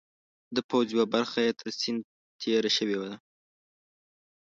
د پوځ یوه برخه یې تر سیند تېره شوې ده.